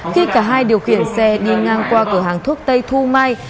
khi cả hai điều khiển xe đi ngang qua cửa hàng thuốc tây thu mai